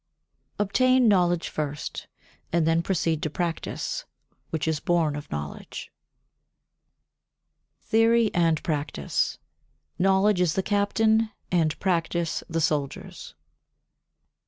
50. Obtain knowledge first, and then proceed to practice, which is born of knowledge. [Sidenote: Theory and Practice] 51. Knowledge is the captain, and practice the soldiers.